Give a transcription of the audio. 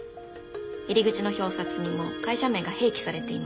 入り口の表札にも会社名が併記されていました。